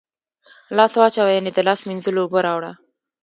لاس واچوه ، یعنی د لاس مینځلو اوبه راوړه